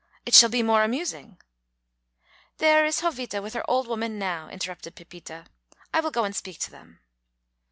"It shall be more amusing " "There is Jovita with her old woman now," interrupted Pepita. "I will go and speak to them."